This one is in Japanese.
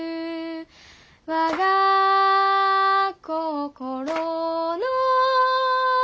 「我が心の」